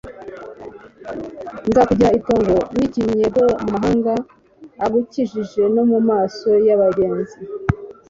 Nzakugira itongo n’ikinnyego mu mahanga agukikije no mu maso y’abagenzi